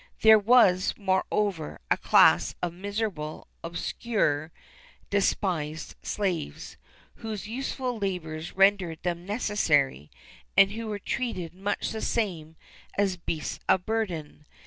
There was, moreover, a class of miserable, obscure, despised slaves, whose useful labours rendered them necessary, and who were treated much the same as beasts of burden.